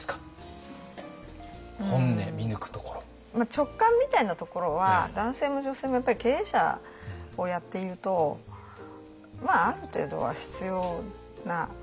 直感みたいなところは男性も女性もやっぱり経営者をやっているとまあある程度は必要な能力ですよね。